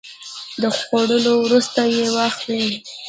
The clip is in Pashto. د خوړو وروسته یی واخلئ